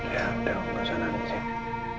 ya udah aku gak senang disini